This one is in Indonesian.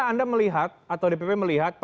anda melihat atau dpp melihat